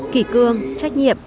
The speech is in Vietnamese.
kỳ cương trách nhiệm